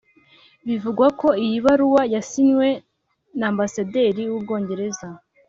Bivugwa ko iyi baruwa yasinywe na Ambasaderi w’u Bwongereza